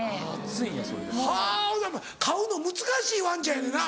飼うの難しいワンちゃんやねんな。